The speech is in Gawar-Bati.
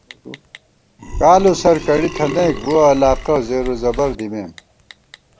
کالوسر کڑی تھنَئیک، بُوَہ علاقہ زیروزبَر دِیمېم